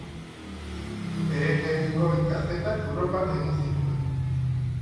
Bere lehenengo ikasketak Europan egin zituen.